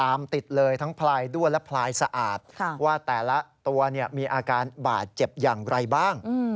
ติดเลยทั้งพลายด้วนและพลายสะอาดว่าแต่ละตัวมีอาการบาดเจ็บอย่างไรบ้าง